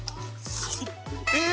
え？